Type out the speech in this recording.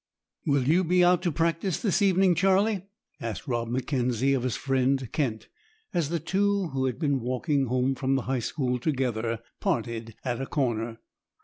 * "Will you be out to practice this evening, Charlie?" asked Rob M'Kenzie of his friend Kent, as the two, who had been walking home from the high school together, parted at a corner.